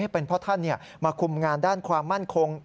เป็นเพราะท่านมาคุมงานด้านความมั่นคง